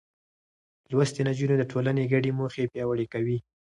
لوستې نجونې د ټولنې ګډې موخې پياوړې کوي.